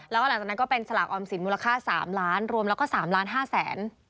แล้วก็หลังจากนั้นก็เป็นสลากออมสินมูลค่า๓ล้านรวมแล้วก็๓ล้าน๕แสน